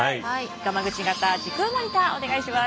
ガマグチ型時空モニターお願いします。